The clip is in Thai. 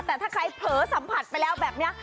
แต่ถ้าใครเผลอสัมผัสไปแล้วแบบนี้